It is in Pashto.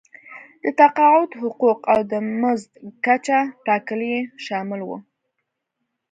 د تقاعد حقوق او د مزد کچه ټاکل یې شامل وو.